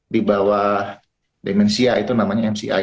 di bawah demensia itu namanya mci